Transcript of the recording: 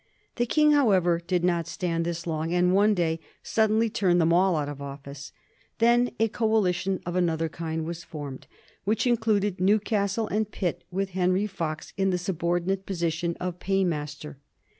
The King, however, did not stand this long, and one day suddenly turned them all out of office. Then a coalition of another kind was formed, which included Newcastle and Pitt, with Henry Fox in the subordinate position of paymaster.